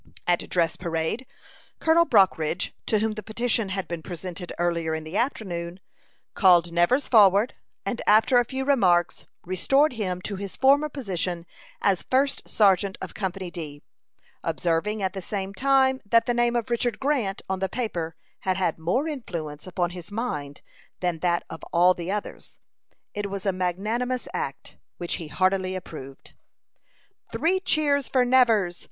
At dress parade, Colonel Brockridge, to whom the petition had been presented early in the afternoon, called Nevers forward, and after a few remarks, restored him to his former position as first sergeant of Company D, observing at the same time that the name of Richard Grant on the paper had had more influence upon his mind than that of all the others. It was a magnanimous act, which he heartily approved. "Three cheers for Nevers!"